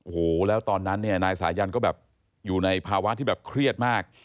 โอ้โหแล้วตอนนั้นเนี่ยนายสายันก็แบบอยู่ในภาวะที่แบบเครียดมาก